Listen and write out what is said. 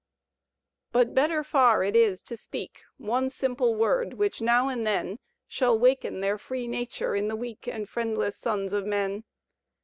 But better far it is to speak One simple word, which now and then Shall waken their free nature in the weak And friendless sons of men.